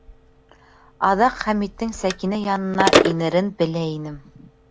Аҙаҡ Хәмиттең Сәкинә янына инерен белә инем.